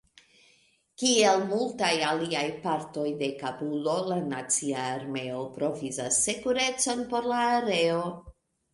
Kiel multaj aliaj partoj de Kabulo, la nacia armeo provizas sekurecon por la areo.